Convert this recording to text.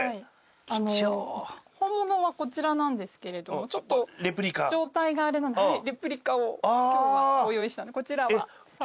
あの本物はこちらなんですけれどもちょっと状態があれなのでレプリカを今日はご用意したのでこちらは触って頂けます。